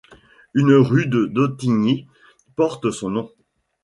Une rue de Dottignies porte son nom.